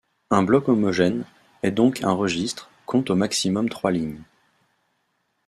Un bloc homogène, et donc un registre, compte au maximum trois lignes.